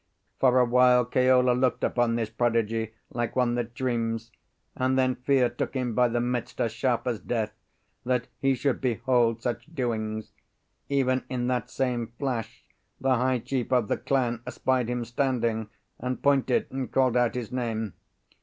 For awhile Keola looked upon this prodigy like one that dreams, and then fear took him by the midst as sharp as death, that he should behold such doings. Even in that same flash the high chief of the clan espied him standing, and pointed and called out his name.